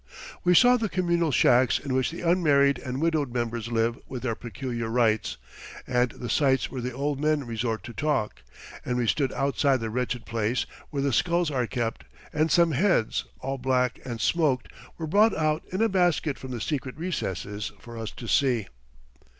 We saw the communal shacks in which the unmarried and widowed members live with their peculiar rights, and the sties where the old men resort to talk, and we stood outside the wretched place where the skulls are kept, and some heads, all black and smoked, were brought out in a basket from the secret recesses for us to see. [Illustration: IFUGAO COUPLE.